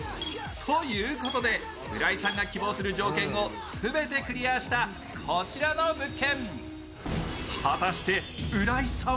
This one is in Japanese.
ということで浦井さんが希望する条件をクリアしたこちらの物件。